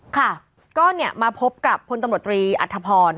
ค่ะก็เนี่ยมาพบกับพลตำรวจตรีอัธพร